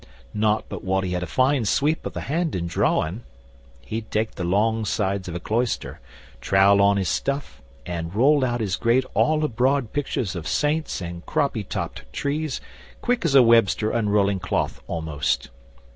Not but what he had a fine sweep of the hand in drawing. He'd take the long sides of a cloister, trowel on his stuff, and roll out his great all abroad pictures of saints and croppy topped trees quick as a webster unrolling cloth almost.